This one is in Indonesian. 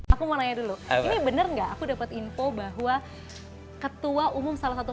aku mau nanya dulu ini bener nggak aku dapat info bahwa ketua umum salah satu